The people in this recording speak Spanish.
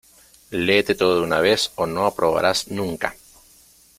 ¡Léete todo de una vez o no aprobarás nunca!